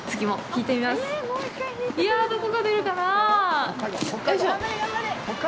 いや、どこが出るかな。